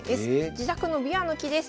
自宅のびわの木です。